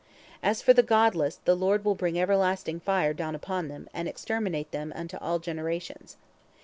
As for the godless, the Lord will bring everlasting fire down upon them, and exterminate them unto all generations.